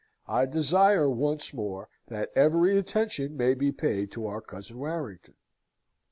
I desire, once more, that every attention may be paid to our cousin Warrington."